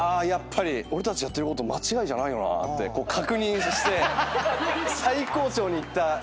やっぱり俺たちやってること間違いじゃないよなって確認して最高潮にいった。